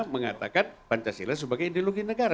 mengatakan pancasila sebagai ideologi negara